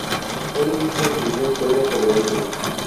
Él mismo escribió historias sobre ellos.